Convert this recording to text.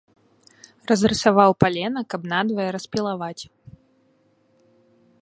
Разрысаваў палена, каб надвае распілаваць.